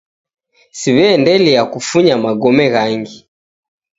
Siw'eendelia kufunya magome ghangi